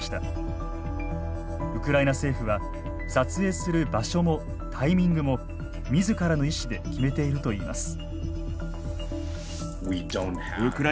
ウクライナ政府は撮影する場所もタイミングも自らの意思で決めているといいます。